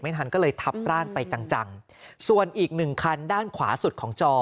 ทันก็เลยทับร่างไปจังจังส่วนอีกหนึ่งคันด้านขวาสุดของจอ